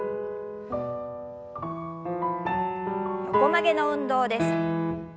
横曲げの運動です。